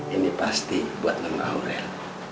ini pasti buat nama aurel